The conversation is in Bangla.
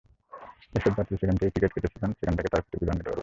এসব যাত্রী যেখান থেকে টিকিট কেটেছিলেন, সেখান থেকে তাঁরা ক্ষতিপূরণ নিতে পারবেন।